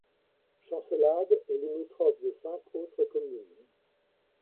Chancelade est limitrophe de cinq autres communes.